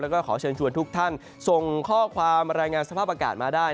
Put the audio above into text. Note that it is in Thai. แล้วก็ขอเชิญชวนทุกท่านส่งข้อความรายงานสภาพอากาศมาได้